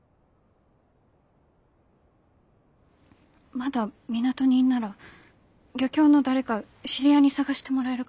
まだ港にいんなら漁協の誰か知り合いに捜してもらえるかも。